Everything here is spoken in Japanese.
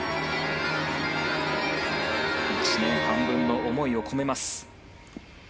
１年半分の思いを込めます。